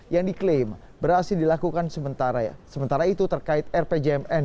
yang diklaim berhasil dilakukan sementara itu terkait rpjmn